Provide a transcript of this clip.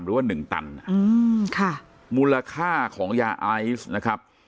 หรือว่าหนึ่งตันอืมค่ะมูลค่าของยาไอซ์นะครับ